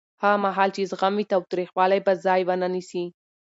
هغه مهال چې زغم وي، تاوتریخوالی به ځای ونه نیسي.